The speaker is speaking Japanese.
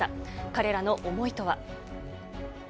彼らの思いとは。